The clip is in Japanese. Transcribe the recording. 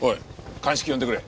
鑑識呼んでくれ。